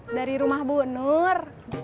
dari rumah bu nur